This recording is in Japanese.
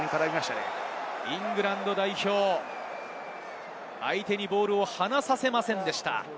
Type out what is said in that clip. イングランド代表、相手にボールを離させませんでした。